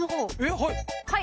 はい。